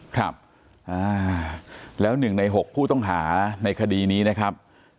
ครับแล้ว๑ใน๖ผู้ต้องหาในคดีนี้นะครับ